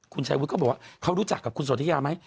คุณชายวุฒิก็บอกว่าเขารู้จักกับคุณสนทิยาไหม